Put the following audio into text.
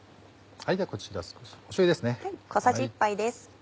ではこちら少ししょうゆです。